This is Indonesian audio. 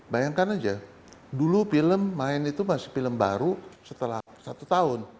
bayangkan aja dulu film main itu masih film baru setelah satu tahun